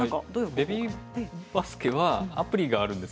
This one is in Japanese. ベビーバスケはアプリがあるんです。